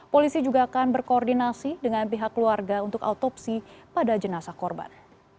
polisi juga akan berkoordinasi dengan pihak keluarga untuk autopsi pada jenazah korban